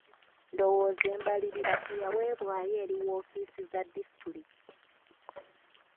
Ndowooza embalirira teyaweebwayo eri woofiisi za disitulikiti.